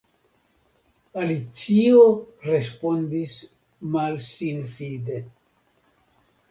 Alicio respondis malsinfide.